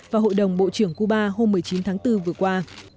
và hội đồng bộ trưởng cuba hôm một mươi chín tháng bốn vừa qua